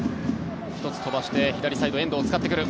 １つ飛ばして左サイド、遠藤を使ってくる。